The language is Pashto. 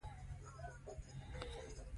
د حق په لاره کې دې چلیږي.